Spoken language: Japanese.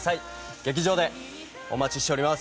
劇場でお待ちしております。